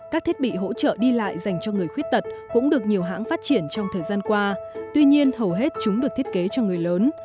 các thiết bị hỗ trợ đi lại dành cho người khuyết tật cũng được nhiều hãng phát triển trong thời gian qua tuy nhiên hầu hết chúng được thiết kế cho người lớn